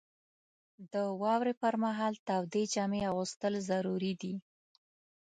• د واورې پر مهال تودې جامې اغوستل ضروري دي.